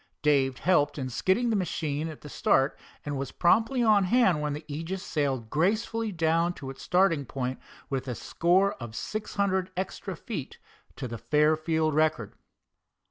Dave helped in skidding the machine at the start, and was promptly on hand when the Aegis sailed gracefully down to its starting point with a score of six hundred extra feet to the Fairfield record.